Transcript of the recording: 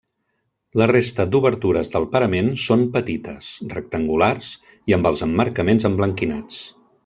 La resta d'obertures del parament són petites, rectangulars i amb els emmarcaments emblanquinats.